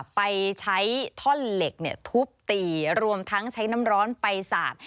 ไปใช้ท่อนเหล็กทุบตีรวมทั้งใช้น้ำร้อนไปสาด